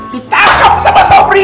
ditangkap sama sobri